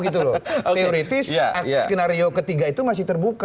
teoritis skenario ketiga itu masih terbuka